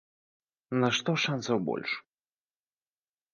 На што шанцаў больш?